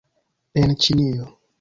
En Ĉinio